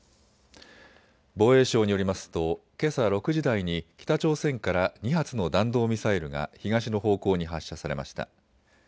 防衛省によりますとけさ６時台に北朝鮮から２発の弾道ミサイルが東の方向に発射されました。